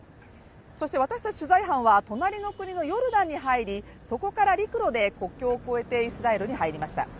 そして私たち取材班の隣の国のヨルダンに入りそこから陸路で国境を越えてイスラエルに入りました。